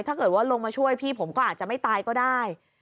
ถ้าเกิดว่าลงมาช่วยพี่ผมก็อาจจะไม่ตายก็ได้